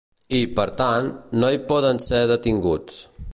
I, per tant, no hi poden ser detinguts.